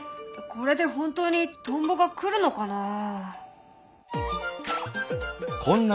これで本当にトンボが来るのかな？